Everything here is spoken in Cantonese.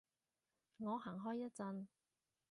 我行開一陣